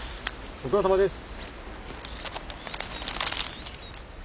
ご苦労さまです。